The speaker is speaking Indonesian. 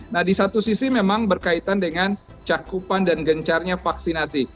nah di satu sisi memang berkaitan dengan cakupan dan gencarnya vaksinasi